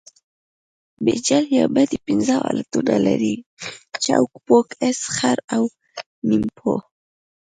بیجل یا بډۍ پنځه حالتونه لري؛ چوک، پوک، اس، خر او نیمپو.